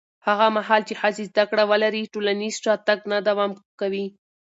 هغه مهال چې ښځې زده کړه ولري، ټولنیز شاتګ نه دوام کوي.